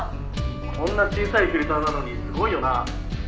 「こんな小さいフィルターなのにすごいよなあ」